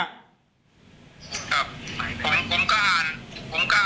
ครับผมก็อ่าน